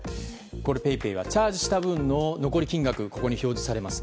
ＰａｙＰａｙはチャージした分の残り金額が表示されます。